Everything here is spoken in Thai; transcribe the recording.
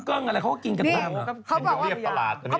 กุ้งเกิ้งอะไรเขาก็กินกันตาม